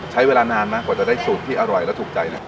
ใช้เวลานานมากกว่าจะได้สูตรที่อร่อยและถูกใจเนี่ย